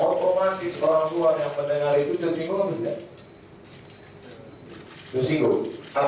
otomatis orang orang yang mendengar itu sesungguhnya bisa